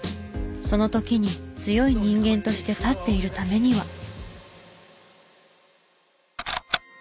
その時に強い人間として立っているためには。